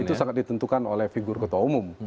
itu sangat ditentukan oleh figur ketua umum